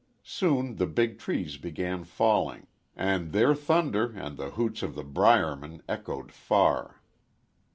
Soon the big trees began falling and their thunder and the hoots of the "briermen" echoed far.